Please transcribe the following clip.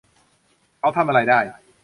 เขาทำอะไรได้